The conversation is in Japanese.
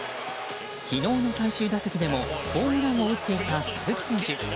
昨日の最終打席でもホームランを打っていた鈴木選手。